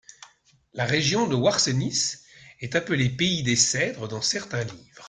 La région de Ouarsenis est appelée pays des cèdres dans certains livres.